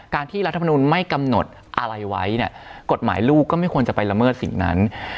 ที่รัฐมนุนไม่กำหนดอะไรไว้เนี่ยกฎหมายลูกก็ไม่ควรจะไปละเมิดสิ่งนั้น